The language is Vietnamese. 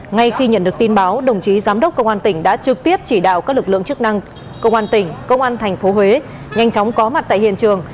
ngay khi nhận được tin báo đồng chí giám đốc công an tỉnh đã trực tiếp chỉ đạo các lực lượng chức năng công an tỉnh công an tp huế nhanh chóng có mặt tại hiện trường